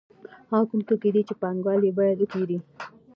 هغه کوم توکي دي چې پانګوال یې باید وپېري